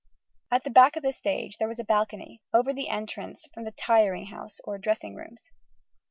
At the back of the stage was a balcony, over the entrance from the "tiring house" or dressing rooms.